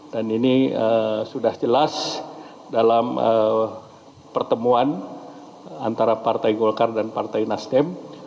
dan ini sudah jelas dalam pertemuan antara partai golkar dan partai nasdem